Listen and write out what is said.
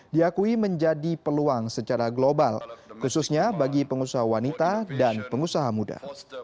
diakui menjadi peluang secara global khususnya bagi pengusaha wanita dan pengusaha muda